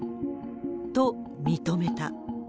と、認めた。